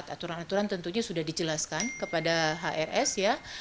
aturan aturan tentunya sudah dijelaskan kepada hrs ya